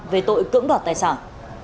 về tội cưỡng đoạt tài sản